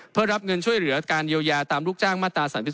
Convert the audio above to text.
เพื่อรับเงินช่วยเหลือการเยียวยาตามลูกจ้างมาตรา๓๔